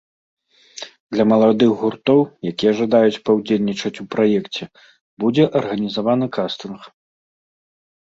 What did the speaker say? Для маладых гуртоў, якія жадаюць паўдзельнічаць у праекце будзе арганізаваны кастынг.